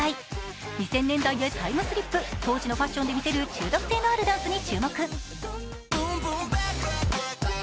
２０００年代へタイムスリップ当時のファッションで見せる中毒性のあるダンスに注目。